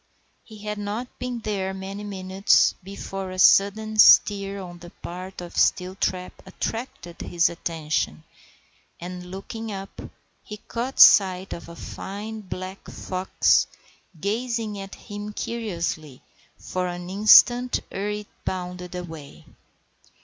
He had not been there many minutes before a sudden stir on the part of Steeltrap attracted his attention, and, looking up, he caught sight of a fine black fox gazing at him curiously for an instant ere it bounded away.